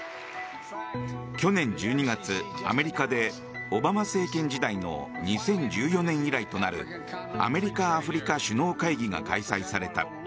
去年１２月、アメリカでオバマ政権時代の２０１４年以来となるアメリカ・アフリカ首脳会議が開催された。